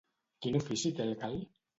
Quin ofici té el gal?